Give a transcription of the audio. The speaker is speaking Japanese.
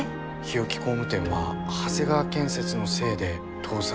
日置工務店は長谷川建設のせいで倒産したのかも。